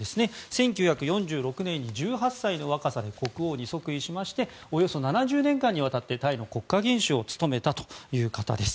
１９４６年に１８歳の若さで国王に即位しおよそ７０年間にわたってタイの国家元首を務めたという方です。